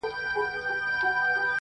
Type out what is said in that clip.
راته بدي یې ښکاریږي کږې غاړي٫